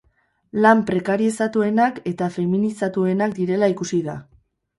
Lan prekarizatuenak eta feminizatuenak direla ikusi da.